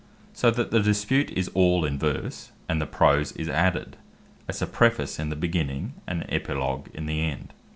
So that the dispute is all in verse; and the prose is added, but as a Preface in the beginning, and an Epilogue in the end.